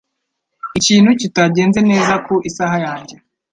Ikintu kitagenze neza ku isaha yanjye.